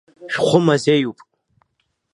Шәхәы мазеиуп.